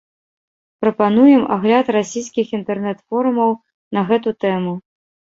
Прапануем агляд расійскіх інтэрнэт-форумаў на гэту тэму.